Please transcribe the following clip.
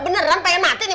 beneran pengen mati nih